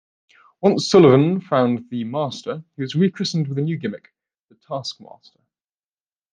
Once Sullivan found The Master he was rechristened with a new gimmick, The Taskmaster.